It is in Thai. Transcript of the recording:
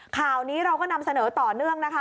ข่าวนี้เราก็นำเสนอต่อเนื่องนะคะ